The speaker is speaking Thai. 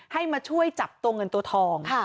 ให้มาช่วยจับตัวเงินตัวทอง